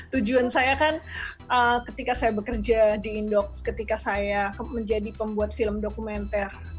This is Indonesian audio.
tujuan saya kan ketika saya bekerja di indoks ketika saya menjadi pembuat film dokumenter